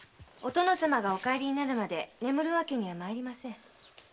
お殿様がお帰りになるまで眠るわけにはまいりません。